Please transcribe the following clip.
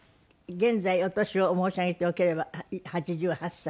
現在お年を申し上げてよければ８８歳。